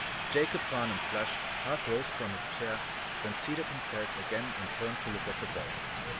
Jacob Farnum flushed, half rose from his chair, then seated himself again and turned to look at the boys.